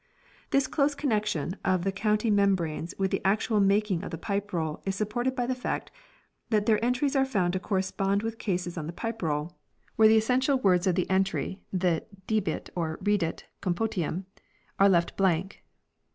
This close connection of the county mem branes with the actual making of the Pipe Roll is supported by the fact that their entries are found to correspond with cases on the Pipe Roll where the 276 FINANCIAL RECORDS essential words of the entry (the " debet " or " reddit compotum ") are left blank.